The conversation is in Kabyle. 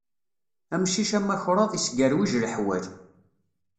Amcic amakṛaḍ, isgerwij leḥwal.